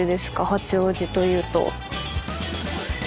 八王子というと。